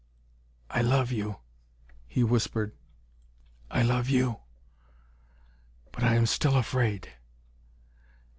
"I love you," he whispered. "I love you." "But I am still afraid."